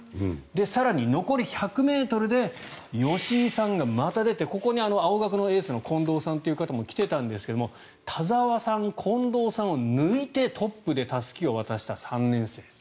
更に、残り１００ｍで吉居さんがまた出てここに青学のエースの近藤さんという方も来ていたんですが田澤さん、近藤さんを抜いてトップでたすきを渡した３年生。